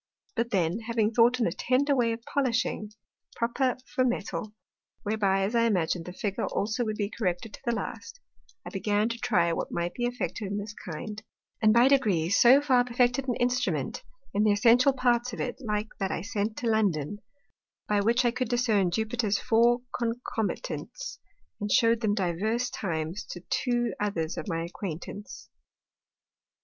But then having thought on a tender way of polishing, proper for Metal, whereby, as I imagin'd, the Figure also would be corrected to the last; I began to try what might be effected in this kind, and by degrees so far perfected an Instrument (in the essential parts of it like that I sent to London,) by which I could discern Jupiter's four Concomitants, and shew'd them divers times to two others of my Acquaintance.